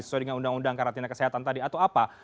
sesuai dengan undang undang karantina kesehatan tadi atau apa